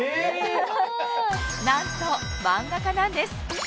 何と漫画家なんです